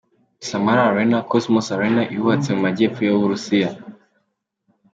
Samara Arena “Cosmos Arena” yubatse mu Majyepfo y’u Burusiya.